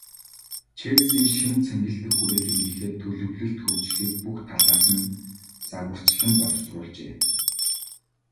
Челси шинэ цэнгэлдэх хүрээлэнгийнхээ төлөвлөлт, хөгжлийг бүх талаас нь загварчлан боловсруулжээ.